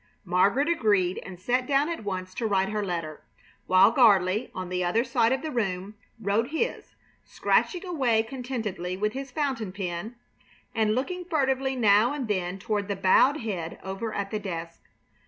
Margaret agreed and sat down at once to write her letter, while Gardley, on the other side of the room, wrote his, scratching away contentedly with his fountain pen and looking furtively now and then toward the bowed head over at the desk.